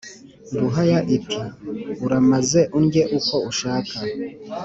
» ruhaya iti « uramaze undye uko ushaka,